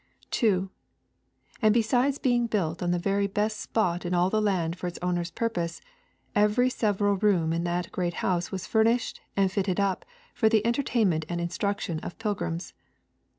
2. And besides being built on the very best spot in all the land for its owner's purposes, every several room in that great house was furnished and fitted up for the entertainment and instruction of pilgrims.